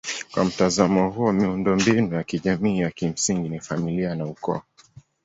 Kwa mtazamo huo miundombinu ya kijamii ya kimsingi ni familia na ukoo.